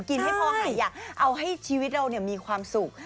กินให้พ่อหันอย่างเอาให้ชีวิตเรามีความสุข